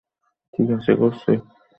ঠিক আছে, করছি।